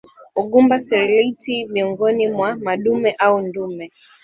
Ugumba sterility miongoni mwa madume au ndume